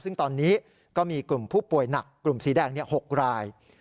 ซึ่งตอนนี้ก็มีกลุ่มผู้ป่วยหนักกลุ่มสีแดง๖ราย